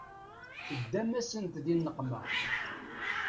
Teddamt-asen di nneqma.